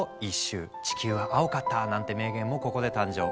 「地球は青かった」なんて名言もここで誕生。